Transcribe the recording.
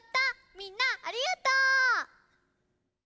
みんなありがとう！